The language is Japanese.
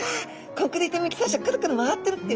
コンクリートミキサー車くるくる回ってるっていう